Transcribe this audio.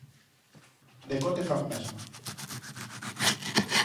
Decote fan o mesmo: